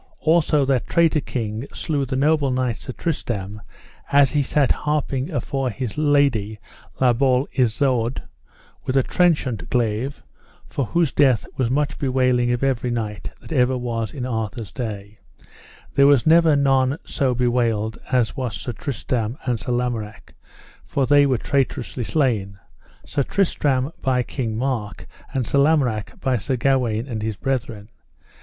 Also that traitor king slew the noble knight Sir Tristram, as he sat harping afore his lady La Beale Isoud, with a trenchant glaive, for whose death was much bewailing of every knight that ever were in Arthur's days; there was never none so bewailed as was Sir Tristram and Sir Lamorak, for they were traitorously slain, Sir Tristram by King Mark, and Sir Lamorak by Sir Gawaine and his brethren.